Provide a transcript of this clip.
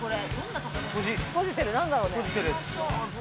とじてる何だろうね。